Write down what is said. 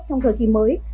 trong thời kỳ mới